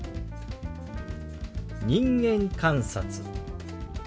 「人間観察」。